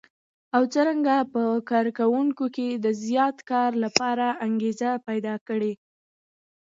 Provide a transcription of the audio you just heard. او څرنګه په کار کوونکو کې د زیات کار لپاره انګېزه پيدا کړي.